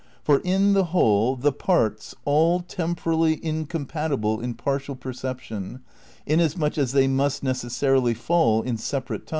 For in the whole the parts, all temporally incompatible in partial perception, in asmuch as they must necessarily fall in separate times, ^ For its solution see pp.